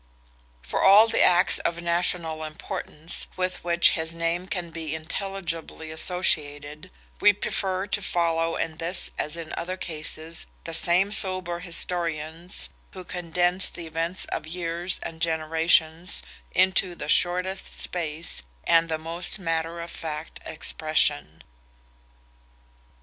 For all the acts of national importance with which his name can be intelligibly associated, we prefer to follow in this as in other cases, the same sober historians who condense the events of years and generations into the shortest space and the most matter of fact expression.